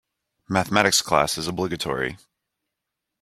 Mathematics class is obligatory.